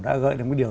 đã gợi đến một điều